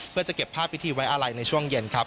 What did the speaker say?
เพื่อจะเก็บภาพพิธีไว้อาลัยในช่วงเย็นครับ